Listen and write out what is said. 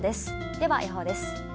では予報です。